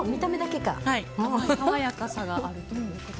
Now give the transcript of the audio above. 爽やかさがあると。